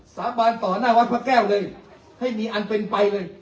สาบานต่อหน้าวัดพระแก้วเลยให้มีอันเป็นไปเลย